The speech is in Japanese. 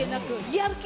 やる気。